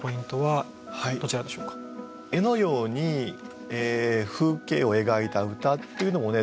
絵のように風景を描いた歌っていうのもね